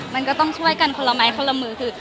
มันก็ต้องช่วยกันคนละไม้คนละมือคือ